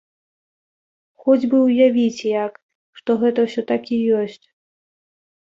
Хоць бы ўявіць як, што гэта ўсё так і ёсць.